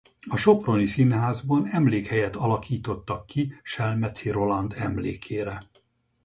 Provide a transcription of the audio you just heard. A soproni színházban emlékhelyet alakítottak ki Selmeczi Roland emlékére.